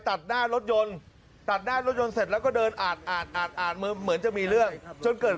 ต่อออกรายการของผมก็แตะหน่อย